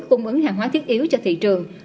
cung ứng hàng hóa thiết yếu cho thị trường